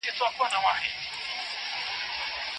نورو ليکوالو دي. دغه آثار د کتاب د متن د کمپوز،